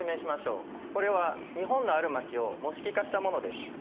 これは日本のある街を模式化したものです。